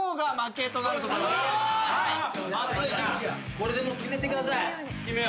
・これでもう決めてください。